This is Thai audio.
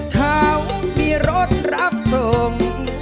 ถ้ามีโรจรับสุด